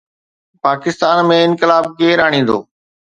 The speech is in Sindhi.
پاڪستان ۾ انقلاب ڪير آڻيندو؟